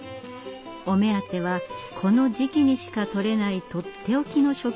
お目当てはこの時期にしか取れないとっておきの食材。